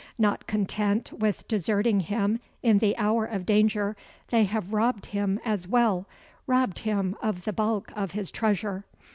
Not content with deserting him in the hour of danger, they have robbed him as well robbed him of the bulk of his treasure.